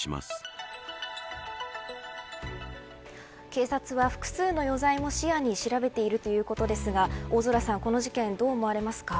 警察は複数の余罪も視野に調べているということですが大空さんこの事件どう思われますか。